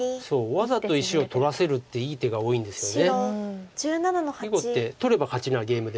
むしろ逆に取らせるっていい手が多いですよね。